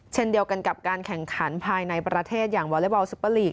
เช่นเดียวกันกับการแข่งขันภายในประเทศอย่างวอเล็กบอลซุปเปอร์ลีก